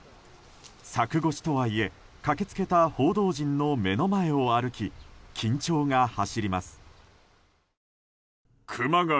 柵越しとはいえ駆け付けた報道陣の目の前を歩き緊張が走ります。